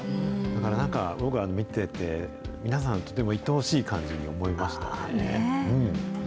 だからなんか僕は見てて、皆さん、とてもいとおしい感じに思いまし